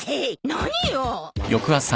何よ！